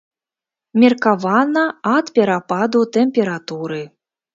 Меркавана, ад перападу тэмпературы.